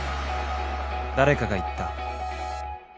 ［誰かが言った］